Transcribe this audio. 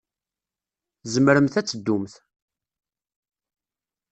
Tzemremt ad teddumt.